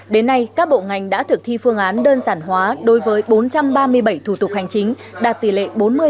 đến nay các bộ ngành đã thực thi phương án đơn giản hóa đối với bốn trăm ba mươi bảy thủ tục hành chính đạt tỷ lệ bốn mươi ba mươi